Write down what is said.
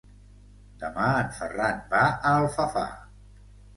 Demà en Ferran va a Alfafar.